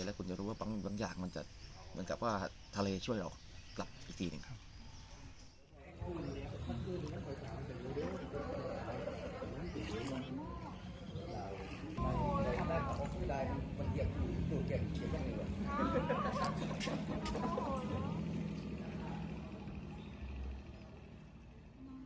แล้วคุณจะรู้ว่าบางอย่างมันจะเหมือนกับว่าทะเลช่วยเรากลับอีกทีหนึ่งครับ